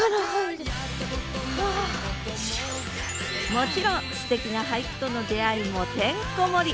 もちろんすてきな俳句との出会いもてんこ盛り！